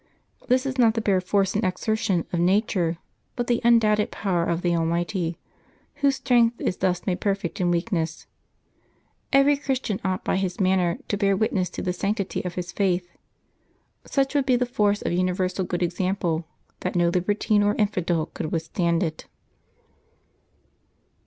This is not the bare force and exertion of nature, bnt the undoubted power of the Almighty, Whose strength is thus made perfect in weakness. Every Christian ought, April 19] LIVES OF THE SAINTS 151 by his manner, to bear witness to the sanctity of his faith. Such would be the force of universal good example, that no libertine or infidel could withstand it.